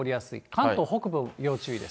関東北部、要注意です。